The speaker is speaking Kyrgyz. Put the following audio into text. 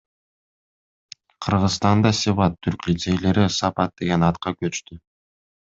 Кыргызстанда Себат түрк лицейлери Сапат деген атка көчтү.